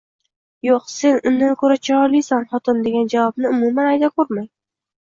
"yo‘q, sen undan ko‘ra chiroylisan xotin" degan javobni umuman ayta ko‘rmang.